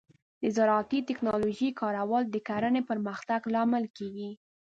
د زراعتي ټیکنالوجۍ کارول د کرنې پرمختګ لامل کیږي.